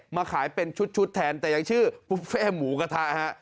มาขายเป็นชุดแทนแต่ยังชื่อบุฟเฟ่หมูกระทะฮะ